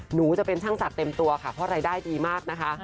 หนูจะเป็นช่างศักดิ์เต็มตัวค่ะเพราะรายได้ดีมากนะคะ